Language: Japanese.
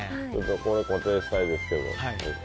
ここに固定したいですけど。